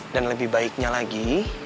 dan lebih baiknya lagi